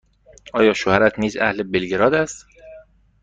آیا شوهرت نیز اهل بلگراد است؟